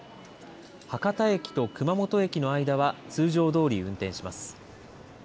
博多駅と熊本駅の間は通常どおり運転します。